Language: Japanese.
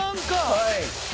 はい。